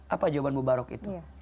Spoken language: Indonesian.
apa jawaban mubarok itu